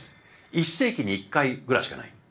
１世紀に１回ぐらいしかない。